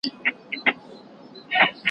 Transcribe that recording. نن پر ما، سبا پر تا.